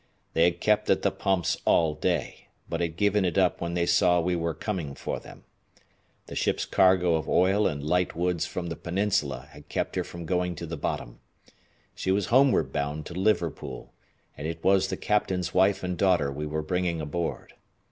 They had kept at the pumps all day, but had given it up when they saw we were coming for them. The ship's cargo of oil and light woods from the peninsula had kept her from going to the bottom. She was homeward bound to Liverpool, and it was the captain's wife and daughter we were bringing aboard.